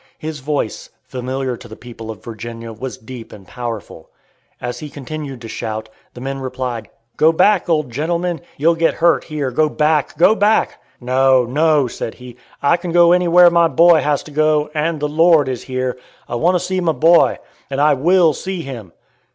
His voice, familiar to the people of Virginia, was deep and powerful. As he continued to shout, the men replied, "Go back, old gentleman; you'll get hurt here. Go back; go back!" "No, no;" said he, "I can go anywhere my boy has to go, and the Lord is here. I want to see my boy, and I will see him!"